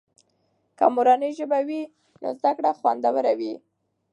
که مورنۍ ژبه وي نو زده کړه خوندور وي.